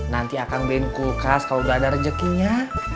nanti akang beliin kulkas kalau udah ada rejekinya